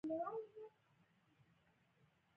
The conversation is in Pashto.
په زرګونو خلک راووتل او نښتې یې پیل کړې.